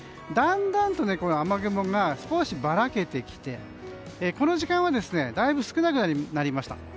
だんだんと雨雲が少しばらけてきてこの時間はだいぶ少なくなりました。